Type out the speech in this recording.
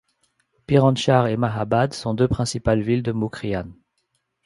Piranshahr et Mahabad sont deux principales villes de Mukrian.